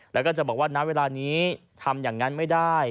แล้วก็จะบอกว่าณเวลานี้ทำอย่างนั้นไม่ได้